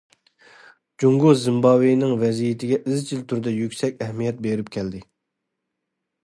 جۇڭگو زىمبابۋېنىڭ ۋەزىيىتىگە ئىزچىل تۈردە يۈكسەك ئەھمىيەت بېرىپ كەلدى.